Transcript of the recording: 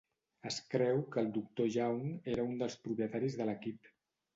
Es creu que Doctor Young era un dels propietaris de l'equip.